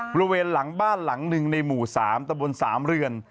บริเวณหลังบ้านหลังหนึ่งในหมู่๓ตะบน๓เรือน